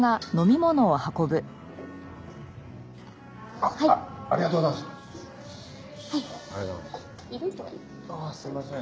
ああすいません。